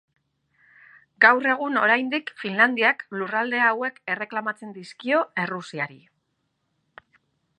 Gaur egun oraindik, Finlandiak lurralde hauek erreklamatzen dizkio Errusiari.